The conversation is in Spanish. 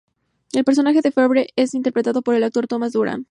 El personaje de Favre es interpretado por el actor Thomas Durand.